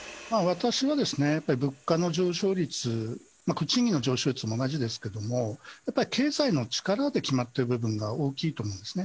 私は物価の上昇率、賃金の上昇率も同じですけれども、やっぱり経済の力で決まっている部分が大きいと思うんですね。